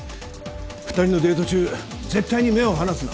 ２人のデート中絶対に目を離すな。